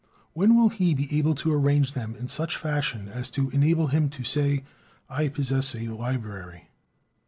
When will he be able to arrange them in such fashion as to enable him to say: "I possess a library"?